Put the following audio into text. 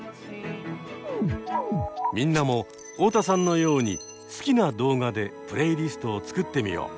みんなも太田さんのように好きな動画でプレイリストを作ってみよう。